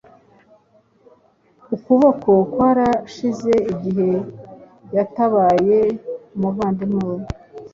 Ukuboko kwarashize igihe yatabaye umuvandimwe we